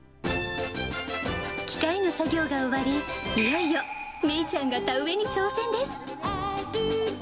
機械の作業が終わり、いよいよ、芽衣ちゃんが田植えに挑戦です。